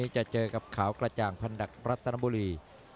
จะเจอกับขาวกระจ่างพันดักรัตนบุรี